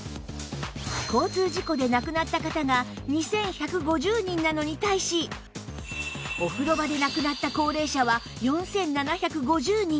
交通事故で亡くなった方が２１５０人なのに対しお風呂場で亡くなった高齢者は４７５０人